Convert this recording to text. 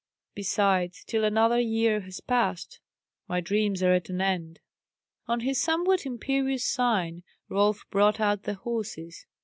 Besides, till another year has passed, my dreams are at an end." On his somewhat imperious sign Rolf brought out the horses.